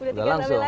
udah langsung lari